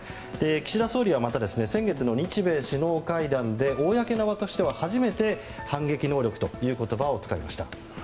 岸田総理はまた先月の日米首脳会談で公の場としては初めて反撃能力という言葉を使いました。